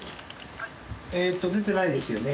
えーっと出てないですよね。